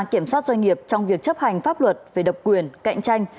kiểm soát doanh nghiệp trong việc chấp hành pháp luật về độc quyền cạnh tranh